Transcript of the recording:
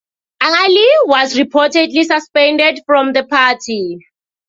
Allie was reportedly suspended from the party.